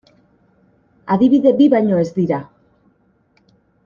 Adibide bi baino ez dira.